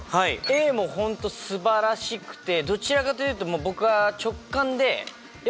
Ａも本当素晴らしくてどちらかというと。